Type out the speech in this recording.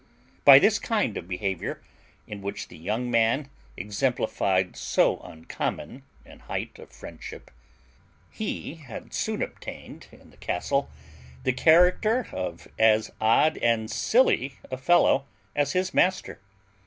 By this kind of behaviour, in which the young man exemplified so uncommon an height of friendship, he had soon obtained in the castle the character of as odd and silly a fellow as his master.